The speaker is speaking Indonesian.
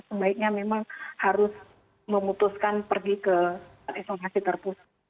sebaiknya memang harus memutuskan pergi ke isolasi terpusat